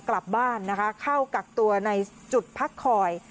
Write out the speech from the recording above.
กลับบ้านนะคะเข้ากักตัวในจุดพักคอย